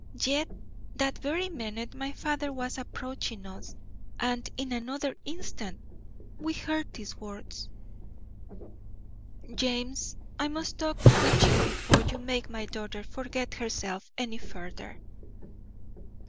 Yet that very minute my father was approaching us, and in another instant we heard these words: "James, I must talk with you before you make my daughter forget herself any further."